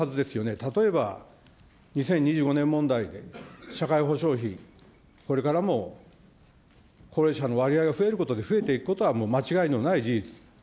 例えば２０２５年問題、社会保障費、これからも高齢者の割合が増えていくことは、もう間違いのない事実。